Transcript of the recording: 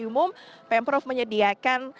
umum pemprov menyediakan